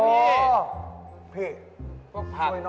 พวกอะไรอย่างเงี้ยครับพี่